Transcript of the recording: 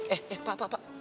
eh pak pak pak